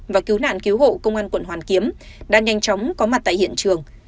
và cứu nạn cứu hộ công an quận hoàn kiếm đã nhanh chóng có mặt tại hiện trường